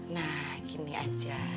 nah gini aja